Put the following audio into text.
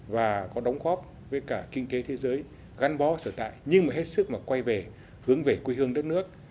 và có đóng góp với cả kinh tế thế giới gắn bó sở tại nhưng mà hết sức mà quay về hướng về quê hương đất nước